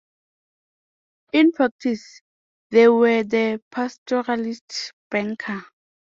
In practice they were the pastoralist's banker.